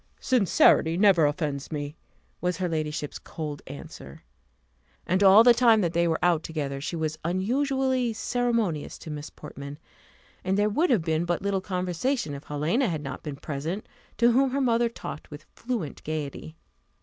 "Sincerity never offends me," was her ladyship's cold answer. And all the time that they were out together, she was unusually ceremonious to Miss Portman; and there would have been but little conversation, if Helena had not been present, to whom her mother talked with fluent gaiety.